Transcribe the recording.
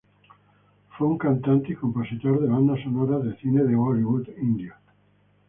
Fue un cantante y compositor de bandas sonoras de cine de Bollywood indio.